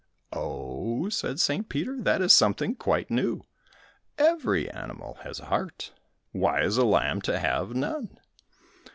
"Oh," said St. Peter, "that is something quite new! Every animal has a heart, why is a lamb to have none?"